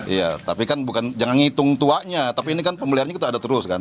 iya tapi kan bukan jangan ngitung tuanya tapi ini kan pembeliannya kita ada terus kan